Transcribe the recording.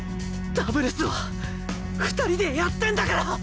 ダブルスは２人でやってるんだから！